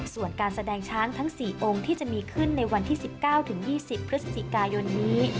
ส่วนการแสดงช้างทั้ง๔องค์ที่จะมีขึ้นในวันที่๑๙๒๐พฤศจิกายนนี้